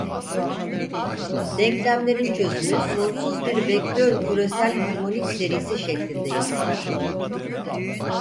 Denklemlerin çözümü sonsuz bir vektör küresel harmonik serisi şeklinde yazılır.